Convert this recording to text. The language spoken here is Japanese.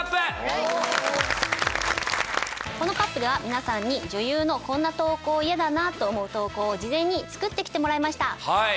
このＣＵＰでは皆さんに女優のこんな投稿イヤだなと思う投稿を事前に作ってきてもらいました。